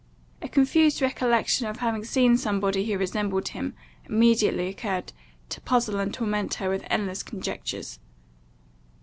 A confused recollection of having seen somebody who resembled him, immediately occurred, to puzzle and torment her with endless conjectures.